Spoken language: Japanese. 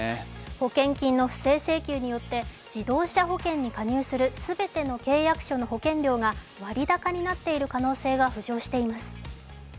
保険金の不正請求によって自動車保険に加入する全ての契約者の保険料が割高になっている可能性が浮上しています。